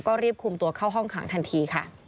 ก็รีบคุมตัวเข้าห้องขังทันทีค่ะ